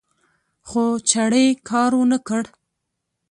خو چړې کار ونکړ